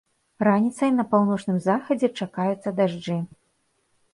Раніцай на паўночным захадзе чакаюцца дажджы.